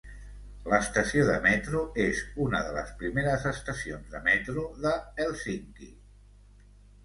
L'estació de metro és una de les primeres estacions de metro de Helsinki.